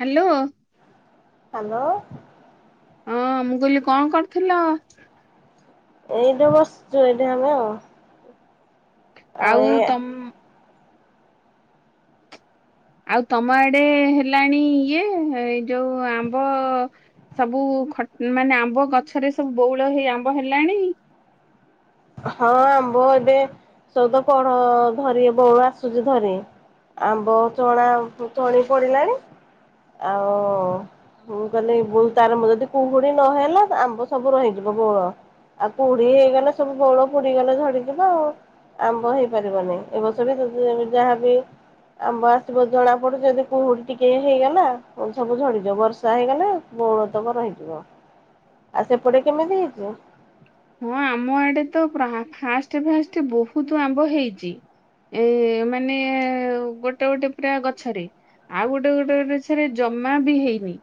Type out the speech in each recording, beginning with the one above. Hello hello ହଁ ମୁଁ କହିଲି କଣ କରୁଥିଲ? ଏଇଠି ବସିଛୁ ଏଇଠି ଆମେ ଆଉ। ଆଉ ତ ଆଉ ତମ ଆଡେ ହେଲାଣି ଇଏ ଏ ଯୋଉ ଆମ୍ବ ସବୁ ଖ ମାନେ ଆମ୍ବ ଗଛରେ ସବୁ ବଉଳ ହେଇ ଆମ୍ବ ହେଲାଣି? ହଁ ଆମ୍ବ ଏବେ ସବୁ ତ କଢ ଧରି ବଉଳ ଆସୁଛି ଧରି, ଆମ୍ବ ଚଣା ଚଣି ପଡିଲାଣି ଆଉ ମୁଁ କହିଲି ତାର ଯଦି କୁହୁଡି ନହେଲା ଆମ୍ବ ସବୁ ରହିଯିବ ବଉଳ ଆଉ କୁହୁଡି ହେଇଗଲେ ସବୁ ବଉଳ ବୁଡିଗଲେ ଝଡିଯିବ, ଆଉ ଆମ୍ବ ହେଇପାରିବନି ଏ ବର୍ଷ ବି ଯାହା ବିି ଆମ୍ବ ଆସିବ ଜଣା ପଡୁ ଯଦି କୁହୁଡି ଟିକେ ହେଇଗଲା ସବୁ ଝଡିଯିବ ବର୍ଷା ହେଇଗଲେ ବଉଳତକ ରହିଯିବ ଆଉ ସେପଟେ କେମିତି ହେଇଛି? ହଁ ଆମ ଆଡେ ତ ଫାଷ୍ଟ ଫାଷ୍ଟ ବହୁତ ଆମ୍ବ ହେଇଚି, ଏ ମାନେ ଗୋଟେ ଗୋଟେ ପୁରା ଗଛରେ ଆଉ ଗୋଟେ ଗୋଟେ ଗଛରେ ଜମା ବି ହେଇନି,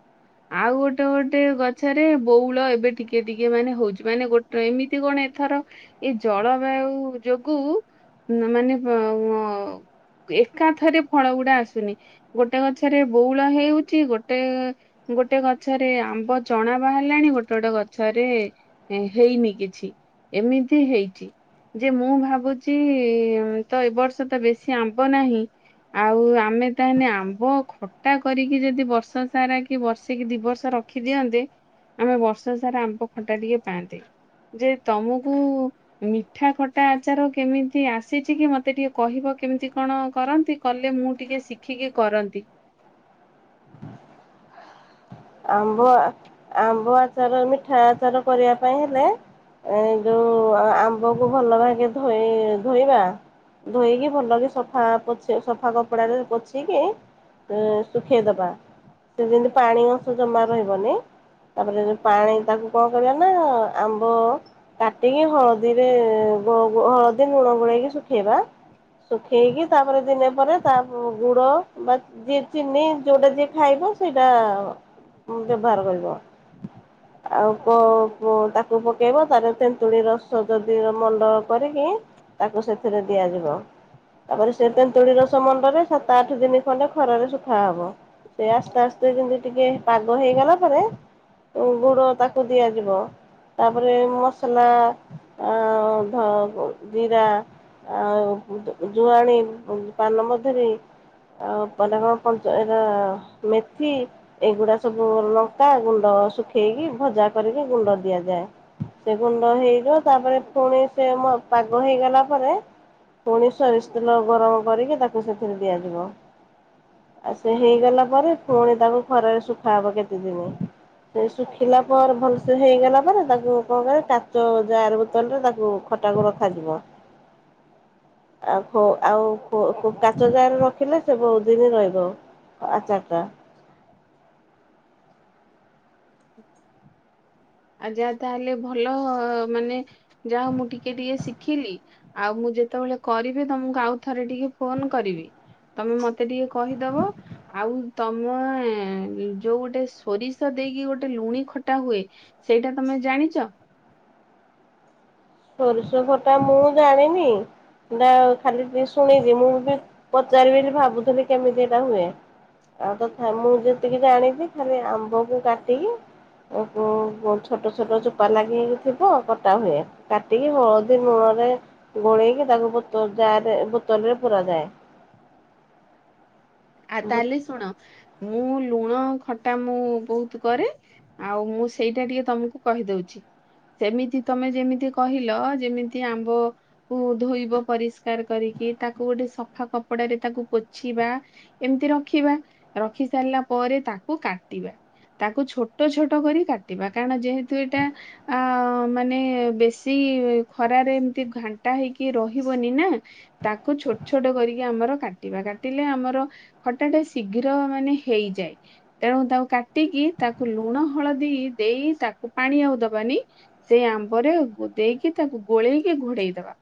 ଆଉ ଗୋଟେ ଗୋଟେ ଗଛରେ ବଉଳ ଏବେ ଟିକେ ଟିକେ ମାନେ ହଉଚି ମାନେ ଗୋଟେ ତ ଏମିତି କଣ ଏଥର ଏଇ ଜଳବାୟୁ ଯୋଗୁ ମାନେ ଅଁ ଅ ଏକାଥରେ ଫଳ ଗୁଡା ଆସୁନି, ଗୋଟେ ଗଛରେ ବଉଳ ହେଉଚି, ଗୋଟେ ଗୋଟେ ଗଛରେ ଆମ୍ବ ଚଣା ବାହାରିଲାଣି ଗୋଟେ ଗୋଟେ ଗଛରେ ହେଇନି କିଛି, ଏମିତି ହେଇଛି ଯେ ମୁଁ ଭାବୁଚି ତ ଏବ ବର୍ଷ ତ ବେଶୀ ଆମ୍ବ ନାହିଁ ଆଉ ଆମେ ତାହେଲେ ଆମ୍ବ ଖଟା କରିକି ଯଦି ବର୍ଷ ସାରା କି ବର୍ଷେକି ଦି ବର୍ଷ ରଖିଦିଅନ୍ତେ ଆମେ ବର୍ଷ ସାରା ଆମ୍ବ ଖଟା ଟିକେ ପାଆନ୍ତେ। ଯେ ତମକୁ ମିଠା ଖଟା ଆଚାର କେମିତି ଆସିଛି କି ମତେ ଟିକେ କହିବ କେମିତି କଣ କରନ୍ତି କଲେ ମୁଁ ଟିକେ ଶିଖିକି କରନ୍ତି। ଆମ୍ବ ଆମ୍ବ ଆଚାର ମିଠା ଆଚାର କରିବା ପାଇଁ ହେଲେ ଏ ଯୋଉ ଆମ୍ବକୁ ଭଲ ଧୋଇବା, ଧୋଇକି ଭଲକ ସଫା ପୋ ସଫା କପଡାରେ ପୋଛିକି ଶୁଖେଇଦବା ସେ ଯେମତି ପାଣି ଜମା ରହିବନି ତାପରେ ଯଉ ପାଣି ତାକୁ କଣ କରିବା ନା ଆମ୍ବ କାଟିକି ହଳଦୀରେ ହଳଦୀ ଲୁଣ ଗୋଳେଇକି ଶୁଖେଇବା, ଶୁଖେଇକି ତାପରେ ଦିନେ ପରେ ତା ଗୁଡ ବା ଯିଏ ଚିନି ଯୋଉଟା ଯିଏ ଖାଇବ ସେଇଟା ବ୍ୟବହାର କରିବ, ଆଉ ତାକୁ ପକେଇବ ତାରେ ତେନ୍ତୁଳି ରସ ଯଦି ମଣ୍ଡ କରିକି ତାକୁ ସେଥିରେ ଦିଆଯିବ, ତାପରେ ସେ ତେନ୍ତୁଳି ରସ ମଣ୍ଡରେ ସାତ ଆଠ ଦିନ ଖଣ୍ଡେ ଖରାରେ ଶୁଖା ହବ ସେ ଆସ୍ତେ ଆସ୍ତେ ଯେମିତି ଟିକେ ପାଗ ହେଇଗଲା ପରେ ଗୁଡ଼ ତାକୁ ଦିଆଯିବ ତାପରେ ମସଲା ଆ ଧ ଜିରା ଆଉ ଜୁଆଣି ପାନମଧୁରୀ ମାନେ ପରେ କଣ ମେଥି ଏଗୁଡ଼ାସ ସବୁ ଲଙ୍କା ଗୁଣ୍ଡ ଶୁଖେଇକି ଭଜା କରିକି ଗୁଣ୍ଡ ଦିଆଯାଏ ସେ ଗୁଣ୍ଡ ହେଇଯିବ ତାପରେ ପୁଣି ସେ ପାଗ ହେଇଗଲା ପରେ ପୁଣି ସୋରିଷ ତେଲ ଗରମ କରିକି ତାକୁ ସେଥିରେ ଦିଆଯିବ ଆଉ ସେ ହେଇଗଲା ପରେ ପୁଣି ତାକୁ ଖରାରେ ଶୁଖେଇ ଇବ କେତେ ଦିନ ସେ ଶୁଖିଲା ପରେ ଭଲସେ ହେଇଗଲା ପରେ ତାକୁ କଣ କରେ କାଚ ଜାର ବୋତଲରେ ତାକୁ ଖଟାକୁ ରଖାଯିବ ଆଉ ଆଉ କାଚ ଜାର ରେ ରଖିଲେ ସେ ବହୁତ ଦିନ ରହିବ ଆଚାର ଟା ହ ଆ ଯାହା ତାହେଲେ ଭଲ ମାନେ ଯାହା ମୁଁ ଟିକେ ଟିକେ ଶିଖିଲି ଆଉ ମୁଁ ଯେତେବେଳେ କରିବି ତମକୁ ଆଉ ଥରେ ଟିକେ ଫୋନ କରିବି ତମେ ମତେ ଟିକେ କହିଦବ ଆଉ ତମେ ଯୋଉ ଗୋଟେ ସୋରିଷ ଦେଇକି ଗୋଟେ ଲୁଣି ଖଟା ହୁଏ ସେଇଟା ତମେ ଜାଣିଛ? ସୋରିଷ ଖଟା ମୁଁ ଜାଣିନି ଖାଲି ଶୁଣିଛି ମୁଁ ବି ପଚାରିବି ବୋଲି ଭାବୁଥିଲି କେମିତି ଏଇଟା ହୁଏ ଆଉ ତଥା ମୁଁ ଯେତିକି ଜାଣିଛି ଖାଲି ଆମ୍ବକୁ କାଟିକି ଉ ଛୋଟ ଛୋଟ ଚୋପା ଲାଗି ଥିବ କଟା ହୁଏ କାଟିକି ହଳଦୀ ଲୂଣ ରେ ଗୋଳେଇକି ତାକୁ ବତୋଲ ଜାର ବୋତଲ ରେ ପୁରାଯାଏ। ଆ ତାହେଲେ ଶୁଣ ମୁଁ ଲୁଣ ଖଟା ମୁଁ ବହୁତ କରେ ଆଉ ମୁଁ ସେଇଟା ଟିକେ ତମକୁ କହିଦଉଛି ସେମିତି ତମେ ଯେମିତି କହିଲ ଯେମିତି ଆମ୍ବ କୁ ଧୋଇବ ପରିଷ୍କାର କରିକି ତାକୁ ଗୋଟେ ସଫା କପଡାରେ ତାକୁ ପୋଛିବା। ଏମିତି ରଖିବା ରଖି ସାରିଲା ପରେ ତାକୁ କାଟିବା ତାକୁ ଛୋଟ ଛୋଟ କରି କାଟିବା କାରଣ ଯେହେତୁ ଏଇଟା ଆ ମାନେ ବେଶୀ ଖରାରେ ଏମିତି ଘାଣ୍ଟା ହେଇକି ରହିବନି ନା ତାକୁ ଛୋଟ ଛୋଟ କରିକି ଆମର କାଟିବା କାଟିଲେ ଆମର ଖଟାଟେ ଶୀଘ୍ର ମାନେ ହେଇଯାଏ ତେଣୁ ତାକୁ କାଟିକି ତାକୁ ଲୁଣ ହଳଦୀ ଦେଇ ତାକୁ ପାଣି ଆଉ ଦବାନି ସେଇ ଆମ୍ବରେ ଦେଇକି ତାକୁ ଗୋଳେଇକି ଘୋଡେଇ ଦବା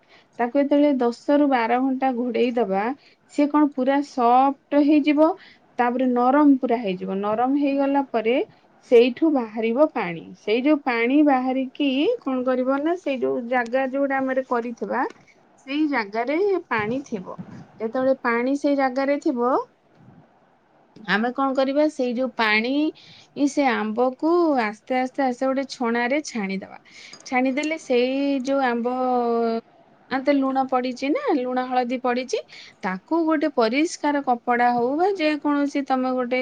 ତାକୁ ଯେତେବେଳେ ଦଶ ର ବାର ଘଣ୍ଟା ଘୋଡେଇ ଦବା ସିଏ କଣ ପୁରା ସପଟ ହେଇଯିବ ତାପରେ ନରମ ପୁରା ହେଇଯିବ ନରମ ହେଇଗଲା ପରେ ସେଇଠୁ ବାହାରିବ ପାଣି ସେଇ ଯୋଉ ପାଣି ବାହାରିକି କଣ କରିବ ନା ସେଇ ଯୋଉ ଜାଗା ଯୋଉଟା ଆମର କରିଥିବା ସେଇ ଜାଗାରେ ପାଣି ଥିବ ଯେତେବେଳେ ପାଣି ସେଇ ଜାଗାରେ ଥିବ ଆମେ କଣ କରିବା ସେଇ ଯୋଉ ପାଣି ସେ ଆମ୍ବକୁ ଆସ୍ତେ ଆସ୍ତେ ଆସ୍ତେ ଗୋଟେ ଛଣା ରେ ଛାଣିଦବା ଛାଣିଦେଲେ ସେଇ ଯଉ ଆମ୍ବ ତ ଲୁଣ ପଡିଛି ନା ଲୁଣ ହଳଦୀ ପଡିଛି ତାକୁ ଗୋଟେ ପରିଷ୍ ସ୍କାର କପଡା ହଉ ବା ଯେ କୌଣସି ତମେ ଗୋଟେ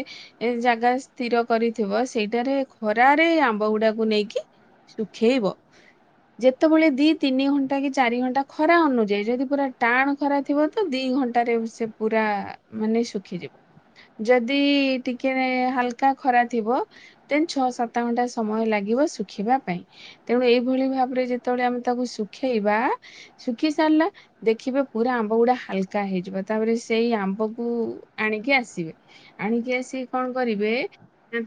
ଜାଗା ସ୍ଥିର କରିଥିବ ସେଇଟାରେ ଖରାରେ ଆମ୍ବ ଗୁଡାକୁ ନେଇକି ଶୁଖେଇବ ଯେତେବେଳେ ଦି ତିନି ଘଣ୍ଟା କି ଚାରି ଘଣ୍ଟା ଖରା ଅନୁଯାୟୀ ଯଦି ପୁରା ଟାଣ ଖରା ଥିବ ତ ଦି ଘଣ୍ଟାରେ ସେ ପୁରା ମାନେ ଶୁଖିଯିବ ଯଦି ଟିକେ ହାଲକା ଖରା ଥିବ ଦେନ ଛଅ ସାତ ଘଣ୍ଟା ସମୟ ଲାଗିବ ଶୁଖିବା ପାଇଁ ତେଣୁ ଏଇଭଳି ଭାବରେ ଯେତେବେଳେ ଆମେ ତାକୁ ଶୁଖେଇବା ଶୁଖି ସାରିଲା ଦେଖିବେ ପୁରା ଆମ୍ବ ଗୁଡା ହାଲକା ହେଇଯିବ ତାପରେ ସେଇ ଆମ୍ବକୁ କୁ ଆଣିକି ଆସିବେ ଆଣିକି ଆସି କଣ କରିବେ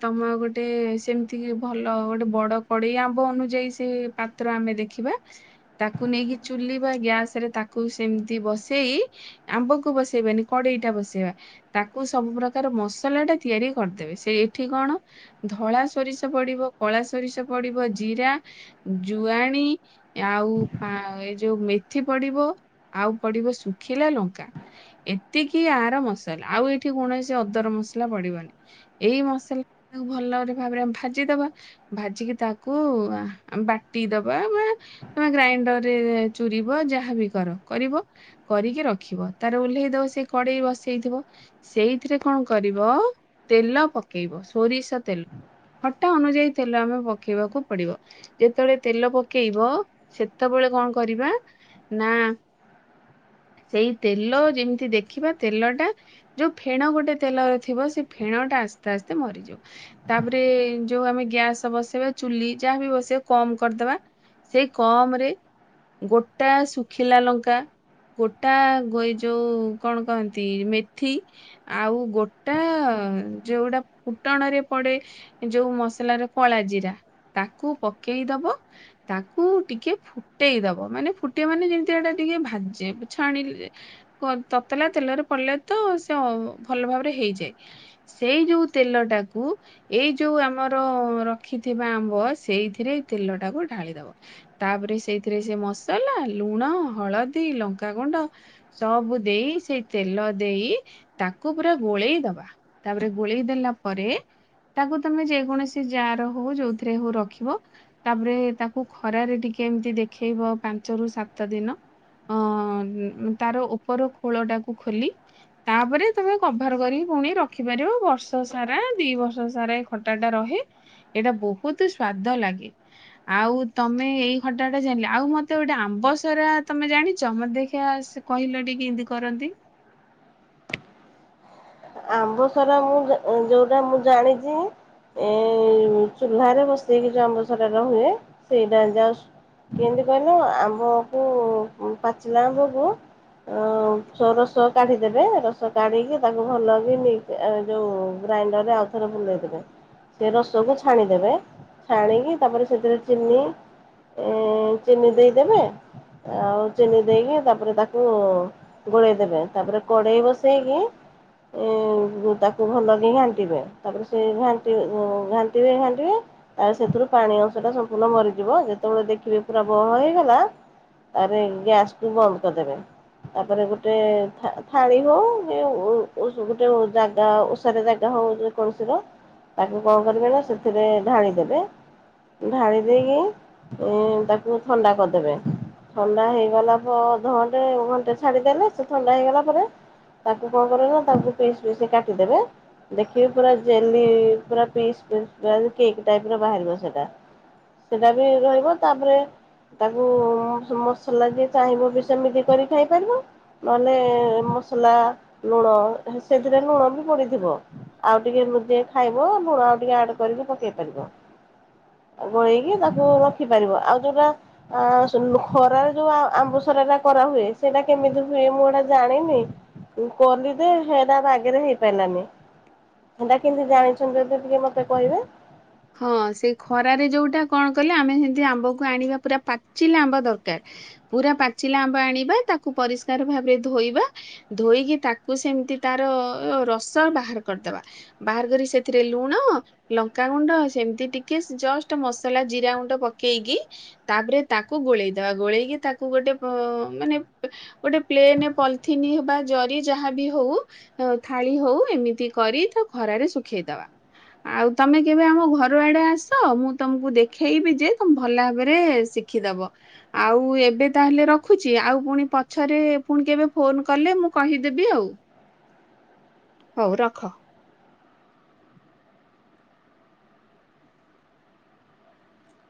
ତମ ଗୋଟେ ସେମିତି କି ଭଲ ଗୋଟେ ବଡ କଡେଇ ଆମ୍ବ ଅନୁଯାୟୀ ସେ ପାତ୍ର ଆମେ ଦେଖିବା ତାକୁ ନେଇକି ଚୁଲି ବା ଗ୍ୟାସ ରେ ତାକୁ ସେମିତି ବସେଇ ଆମ୍ବକୁ ବସେଇବାନି କଡେଇଟା ବସେଇ ଆସିବ ତାକୁ ସବୁ ପ୍ରକାର ମସଲା ଟା ତିଆରି କରିଦେବେ ସେ ଏଠି କଣ ଧଳା ସୋରିଷ ପଡିବ କଳା ସୋରିଷ ପଡିବ ଜିରା ଜୁଆଣି ଆଉ ଏ ଯୋଉ ମେଥି ପଡିବ ଆଉ ପଡିବ ଶୁଖିଲା ଲଙ୍କା ଏତିକି ଉ କର ମସଲା ଆଉ ଏଇଠି କୌଣସି ଅଦର ମସଲା ପଡ଼ିବନି ଏଇ ମସଲା ଆମେ ଭଲ ଭାବରେ ଭାଜିଦବା ବା ଭାଜିକି ତାକୁ ବାଟିଦବା ମାନେ ଗ୍ରାଇଂଡର ରେ ଚୁରିବ ଯାହାବି କର କରିବ କରିକି ରଖିବ ତା ର ଓଲେହି ଦବ ତାର ସେଇ କଡେଇ ବସେ ଇଥିବ ସେଇଥିରେ କଣ କରିବ ତେଲ ପକେଇବ ସୋରିଷ ତେଲ ଖଟା ଅନୁଯାୟୀ ତେଲ ଆମେ ପକେଇବାକୁ ପଡିବ ଯେତେବେଳେ ତେଲ ପକେଇବ ସେତେବେଳେ କଣ କରିବା ନା ସେଇ ତେଲ ଯେମିତି ଦେଖିବା ତେଲଟା ଯୋଉ ଫେଣ ଗୋଟେ ତେଲରେ ଥିବ ସେ ଫେଣ ଟା ଆସ୍ତେ ଆସ୍ତେ ମରିଯିବ ତାପରେ ଯୋଉ ଆମେ ଗ୍ୟାସ ବସେଇବା ଚୁଲି ଯାହାବି ବସେଇବା କମ କରିଦବା ସେଇ କମ ରେ ଗୋଟା ଶୁଖିଲା ଲଙ୍କା ଗୋଟା ଯୋଉ କଣ କହନ୍ତି ମେଥି ଆଉ ଗୋଟା ଯୋଉଟା ଫୁଟଣରେ ପଡେ ଯୋଉ ମସଲାର କଳାଜିରା ତାକୁ ପକେଇ ଦବ ତାକୁ ଟିକେ ଫୁଟେଇ ଦବ ମାନେ ଫୁଟେଇ ମାନେ ଯେମିତି ଏଟା ଟିକେ ଭାଜେ ଛାଣିଲେ ତତଲା ତେଲର କଲେ ତ ସେ ଭଲ ଭାବରେ ହେଇଯାଏ ସେଇ ଯୋଉ ତେଲଟାକୁ ଏଇ ଯୋଉ ଆମର ରଖିଥିବା ଆମ୍ବ ସେଇଥିରେ ତେଲଟାକୁ ଢାଳି ଦବ ତାପରେ ସେଇଥିରେ ସେ ମସଲା ଲୁଣ ହଳଦୀ ଲଙ୍କାଗୁଣ୍ଡ ସବୁ ଦେଇ ସେଇ ତେଲ ଦେଇ ତାକୁ ପୁରା ଗୋଳେଇଦବା ତାପରେ ଗୋଳେଇ ଦେଲା ପରେ ତାକୁ ତମେ ଯେକୌଣସି ଯ ର ହଉ ଯୋଉଥିରେ ହଉ ରଖିବ ତାପରେ ତାକୁ ଖରାରେ ଟିକେ ଏମିତି ଦେଖେଇବ ପାଞ୍ଚରୁ ସାତ ଦିନ ତାର ଉପର ଖୋଳଟାକୁ କ ଖୋଲି ତାପରେ ତମେ କଭର କରିକି ପୁଣି ରଖିପାରିବ ବର୍ଷ ସାରା ଦି ବର୍ଷ ସାରା ଏଇ ଖଟାଟା ରହେ ଏଇଟା ବହୁତ ସ୍ଵାଦ ଲାଗେ ଆଉ ତମେ ଏଇ ଖଟା ଟା ଜାଣିଲ ଆଉ ମତେ ଗୋଟେ ଆମ୍ବ ସାରା ତମେ ଜାଣିଛ ମତେ ଦେଖିଆ କହିଲ ଟିକେ କିଇଁତି କରନ୍ତି। ଆମ୍ବ ସାରା ମୁଁ ଯୋଉଟା ମୁଁ ଜାଣିଛି ଏ ଚୁଲ୍ଲାରେ ବସେଇକି ଯୋଉ ଆମ୍ବ ସାରାଟ ହୁଏ ସେଇଟା ଯାଉ କେମିତି କହିଲ ଆମ୍ବକୁ ପାଚିଲା ଆମ୍ବକୁ ରସ କାଢିଦେବେ ରସ କାଢିକି ତାକୁ ଭଲ କି ଯେଉଁ ଗ୍ରାଇଣ୍ଡରରେ ଆଉଥରେ ବୁଲେଇଦେବେ ସେ ରସକୁ ଛାଣିଦେବେ ଛାଣିକି ତାପରେ ସେଥିରେ ଚିନି ଚିନି ଦେଇଦେବେ ଆଉ ଚିନି ଦେଇକି ତାପରେ ତାକୁ ଗୋଳେଇ ଦେବେ ତାପରେ କଡ଼େଇ ବସେଇକି ତାକୁ ଭଲ ହି ଘାଣ୍ଟିବେ ତାପରେ ସେ ଘଣ୍ ଘାଣ୍ଟିବେ ଘାଣ୍ଟିବେ ତା ସେଥିରୁ ପାଣି ଅଂଶଟା ସମ୍ପୂର୍ଣ୍ଣ ମରିଯିବ ଯେତେବେଳେ ଦେଖିବେ ପୁରା ବହଳ ହେଇଗଲା ତାରେ ଗ୍ୟାସ୍ଟିକୁ ବନ୍ଦ କରିଦେବେ ତାପରେ ଗୋଟେ ଥାଳି ହଉ ଗୋଟେ ଜାଗା ଓଷାର ଜାଗା ହେଉ ଯେ କୌଣସିର ତାକୁ କଣ କରିବେ ନା ସେଥିରେ ଢାଳି ଦେବେ ଢାଳି ଦେଇକି ତାକୁ ଥଣ୍ଡା କରିଦେବେ ଥଣ୍ଡା ହେଇଗଲା ପରେ ଅଧଘଣ୍ଟେ ଘଣ୍ଟେ ଛାଡ଼ିଦେଲେ ସେ ଥଣ୍ଡା ହେଇଗଲା ପରେ ତାକୁ କଣ କରିବେ ନା ତାଙ୍କୁ ପିସ୍ ପିସ୍ କାଟିଦେବେ ଦେଖିବି ପୁରା ଜେଲି ପୁରା ପିସ୍ ପିସ୍ କେକ୍ ଟାଇପ୍ର ବାହାରିବ ସେଇଟା ସେଇଟା ବି ରହିବ ତାପରେ ତାକୁ ମସଲା ଯିଏ ଚାହିଁବ ବି ସେମିତି କରି ଖାଇପାରିବ ନହେଲେ ମସଲା ଲୁଣ ସେଥିରେ ଲୁଣ ବି ପଡିଥିବ ଆଉ ଟିକେ ଟିକେ ଖାଇବ ଲୁଣ ଆଉ ଟିକେ ଆଡ କରିକି ପକେଇ ପାରିବ ଗୋଳେଇକି ତାକୁ ରଖିପାରିବ ଆଉ ଯୋଉଟା ଖରାରେ ଯୋଉ ଆମ୍ବସରା ଟା କରା ହୁଏ ସେଇଟା କେମିତି ହୁଏ ମୁଁ ଏଇଟା ଜାଣିନି କଲି ଯେ ହେଲା ବାଗରେ ହେଇପାରିଲାନି ସେଟା କେମିତି ଜାଣିଛନ୍ତି ଯେ ଟିକେ ମତେ କହିବ ହଁ ସେଇ ଖରାରେ ଯୋଉଟା କଣ କଲେ ଆମେ ସେମତି ଆମ୍ବକୁ ଆଣିବା ପୁରା ପାଚିଲା ଆମ୍ବ ଦରକାର ପୁରା ପାଚିଲା ଆମ୍ବ ଆଣିବା ତାକୁ ପରିଷ୍କାର ଭାବରେ ଧୋଇବା ଧୋଇକି ତାକୁ ସେମିତି ତାର ରସ ବାହାର କରିଦବା ବାହାର କରି ସେଥିରେ ଲୁଣ ଲଙ୍କାଗୁ ଣ୍ଡ ସେମତି ଟିକେ ଜ ମସଲା ଜିରା ଗୁଣ୍ଡ ପକେଇକି ତାପରେ ତାକୁ ଗୋଳେଇଦବା ଗୋଳେଇକି ତାକୁ ଗୋଟେ ମାନେ ଗୋଟେ ପ୍ଲେନ ପଲଥିନ ଅବା ଜରି ଯାହାବି ହଉ ଥାଳି ହଉ ଏମିତି କରି ତା ଖରାରେ ଶୁଖେଇଦବା ଆଉ ତମେ କେବେ ଆମ ଘର ଆଡେ ଆସ ମୁଁ ତମକୁ ଦେଖେଇବି ଯେ ତମେ ଭଲ ଭାବରେ ଶିଖିଦବ ଆଉ ଏବେ ତାହେଲେ ରଖୁଛି ଆଉ ପୁଣି ପଛରେ ପୁଣି କେବେ ଫୋନ କଲେ ମୁଁ କହିଦେବି ଆଉ ହଉ ରଖ